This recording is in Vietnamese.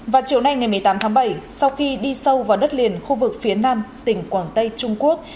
vào chiều nay ngày một mươi tám tháng bảy sau khi đi sâu vào đất liền khu vực phía nam tỉnh quảng tây trung quốc